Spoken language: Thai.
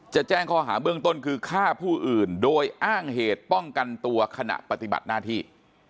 แจ้งข้อหาเบื้องต้นคือฆ่าผู้อื่นโดยอ้างเหตุป้องกันตัวขณะปฏิบัติหน้าที่